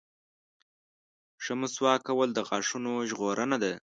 • ښه مسواک کول د غاښونو ژغورنه ده.